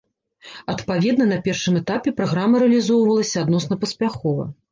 Адпаведна, на першым этапе праграма рэалізоўвалася адносна паспяхова.